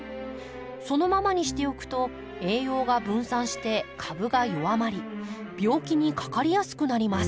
そのままにしておくと栄養が分散して株が弱まり病気にかかりやすくなります。